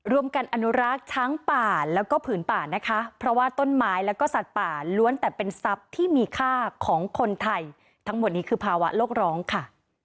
รวมกันอนุรักษ์ช้างป่าแล้วก็ผืนป่านะคะเพราะว่าต้นไม้แล้วก็สัตว์ป่าล้วนแต่เป็นทรัพย์ที่มีค่าของคนไทยทั้งหมดนี้คือภาวะโลกร้องค่ะ